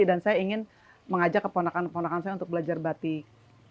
dan saya ingin mengajak keponakan keponakan saya untuk belajar batik